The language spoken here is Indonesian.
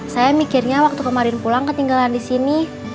saya mikirnya waktu kemarin pulang ketinggalan disini